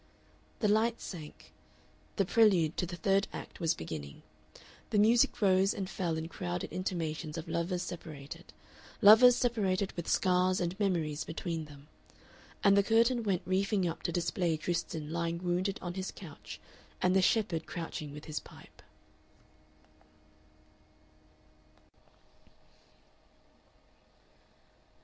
The lights sank, the prelude to the third act was beginning, the music rose and fell in crowded intimations of lovers separated lovers separated with scars and memories between them, and the curtain went reefing up to display Tristan lying wounded on his couch and the shepherd crouching with his pipe.